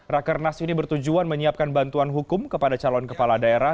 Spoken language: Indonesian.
rakernas ini bertujuan menyiapkan bantuan hukum kepada calon kepala daerah